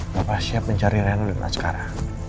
papa siap mencari rena dan askara